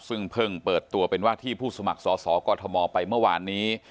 ซึ่งเพิ่งเปิดตัวเป็นว่าที่ผู้สมัครสอสอกอทมไปเมื่อวานนี้